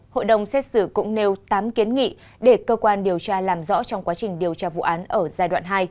hội đồng xét xử cũng nêu tám kiến nghị để cơ quan điều tra làm rõ trong quá trình điều tra vụ án ở giai đoạn hai